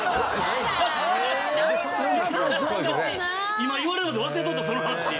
今言われるまで忘れとったその話。